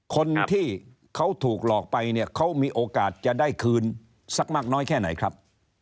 คนที่เขาถูกหลอกไปเนี่ยเขามีโอกาสจะได้คืนสักมากน้อยแค่ไหนครับ